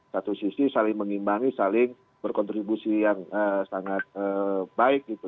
satu sisi saling mengimbangi saling berkontribusi yang sangat baik gitu